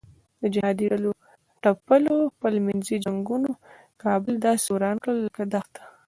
د جهادي ډلو ټپلو خپل منځي جنګونو کابل داسې وران کړ لکه دښته.